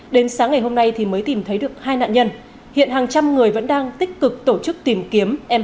đến sáng ngày hôm nay thì mới tìm thấy được hai nạn nhân hiện hàng trăm người vẫn đang tích cực tổ chức tìm kiếm em học sinh còn lại